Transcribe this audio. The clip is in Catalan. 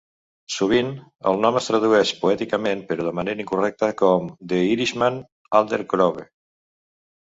Sovint, el nom es tradueix "poèticament", però de manera incorrecta, com "The Irishman's Alder Grove".